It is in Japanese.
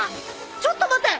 ちょっと待て。